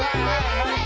はい！